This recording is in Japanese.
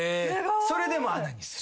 それでもＡＮＡにする。